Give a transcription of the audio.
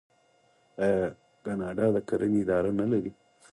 آیا کاناډا د کرنې اداره نلري؟